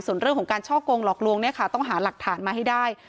ส่วนเรื่องของการช่อกงหลอกลวงเนี่ยค่ะต้องหาหลักฐานมาให้ได้